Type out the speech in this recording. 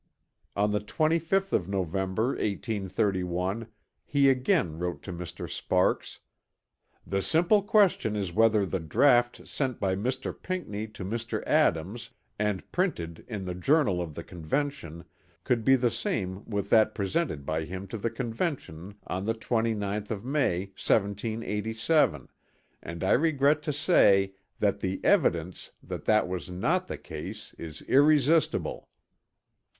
On the 25th of November, 1831, he again wrote to Mr. Sparks: "The simple question is whether the draught sent by Mr. Pinckney to Mr. Adams and printed in the Journal of the Convention could be the same with that presented by him to the Convention on the 29th May, 1787, and I regret to say that the evidence that that was not the case is irresistible."